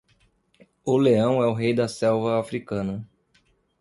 O leão é o rei da selva africana